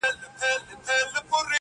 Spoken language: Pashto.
هنر هنر سوم زرګري کوومه ښه کوومه-